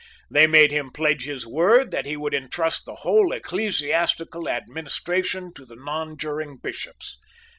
They made him pledge his word that he would entrust the whole ecclesiastical administration to the nonjuring bishops.